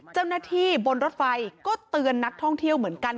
เจ้าหน้าที่บนรถไฟก็เตือนนักท่องเที่ยวเหมือนกัน